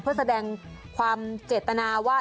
เพื่อแสดงความเจตนาว่า